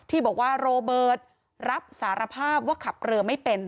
ที่บอกว่าโรเบิร์ตรับสารภาพว่าขับเรือไม่เป็น